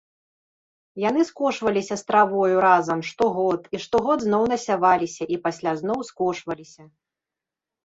Яны скошваліся з травою разам штогод і штогод зноў насяваліся і пасля зноў скошваліся.